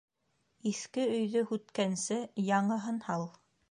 Иҫке өйҙө һүткәнсе, яңыһын һал.